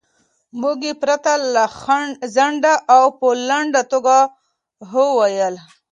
مور یې پرته له ځنډه او په لنډه توګه هو وویل.